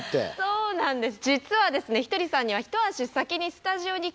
そうなんです。